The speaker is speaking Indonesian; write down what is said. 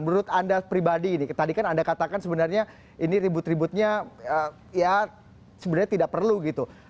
menurut anda pribadi ini tadi kan anda katakan sebenarnya ini ribut ributnya ya sebenarnya tidak perlu gitu